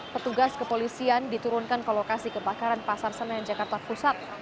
petugas kepolisian diturunkan ke lokasi kebakaran pasar senen jakarta pusat